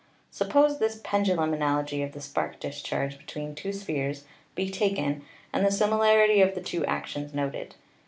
Sup pose this pendulum analogy of the spark discharge be tween two spheres be taken and the similarity of the two actions noted.